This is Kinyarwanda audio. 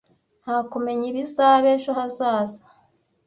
Nta kumenya ibizaba ejo hazaza.